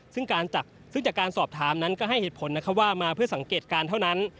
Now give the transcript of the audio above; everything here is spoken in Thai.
ซึ่งจากการสอบถามนั้นก็ให้เหตุผลนะครับว่ามาเพื่อสังเกตการณ์เท่านั้น